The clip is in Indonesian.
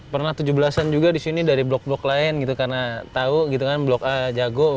pernah tujuh belas an juga di sini dari blok blok lain gitu karena tahu gitu kan blok a jago